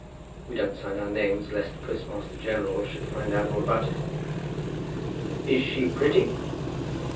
We don't sign our names lest the Postmaster General should find out all about it." "Is she pretty?"